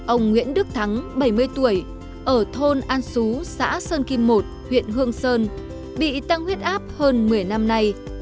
ông nguyễn đức thắng bảy mươi tuổi ở thôn an sú xã sơn kim một huyện hương sơn bị tăng huyết áp hơn một mươi năm nay